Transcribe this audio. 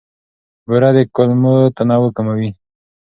بوره د کولمو تنوع کموي.